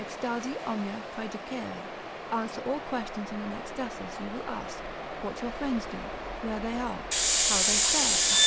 Extasi omnia praedicere, answer all questions in an ecstasis you will ask; what your friends do, where they are, how they fare, &c.